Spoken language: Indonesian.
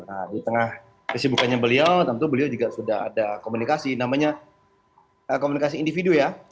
nah di tengah kesibukannya beliau tentu beliau juga sudah ada komunikasi namanya komunikasi individu ya